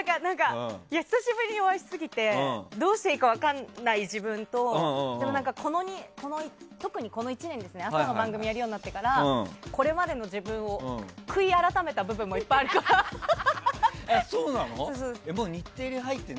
久しぶりにお会いしすぎてどうしていいか分からない自分とでも、特にこの１年朝の番組やるようになってからこれまでの自分を悔い改めた部分もいっぱいあるかなって。